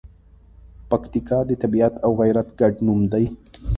پکتیکا د طبیعت او غیرت ګډ نوم دی.